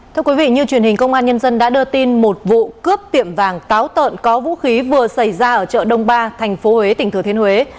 thưa quý vị như truyền hình công an nhân dân đã đưa tin một vụ cướp tiệm vàng táo tợn có vũ khí vừa xảy ra ở chợ đông ba tp huế tỉnh thừa thiên huế